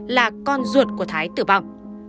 là con ruột của thái tử vong